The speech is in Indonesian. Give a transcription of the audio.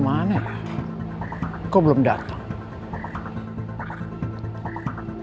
mila mana kok belum datang